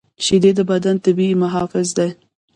شیدې د بدن طبیعي محافظ دي